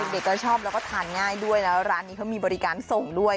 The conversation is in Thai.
เด็กก็ชอบแล้วก็ทานง่ายด้วยแล้วร้านนี้เขามีบริการส่งด้วย